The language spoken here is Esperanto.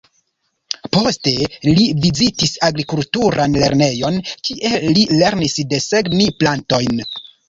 Poste li vizitis agrikulturan lernejon, kie li lernis desegni plantojn.